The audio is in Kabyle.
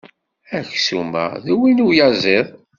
Aksum-a d win uyaẓiḍ.